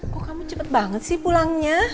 kok kamu cepet banget sih pulangnya